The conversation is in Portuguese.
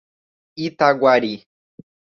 Itaguari